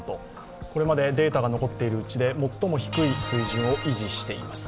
これまでデータが残っているうち最も低い数字を維持しています。